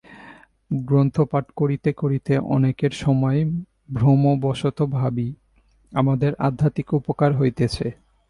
গ্রন্থপাঠ করিতে করিতে অনেক সময় ভ্রমবশত ভাবি, আমাদের আধ্যাত্মিক উপকার হইতেছে।